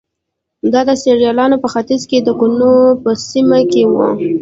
دا د سیریلیون په ختیځ کې د کونو په سیمه کې وو.